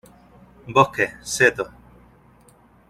Bosques, setos.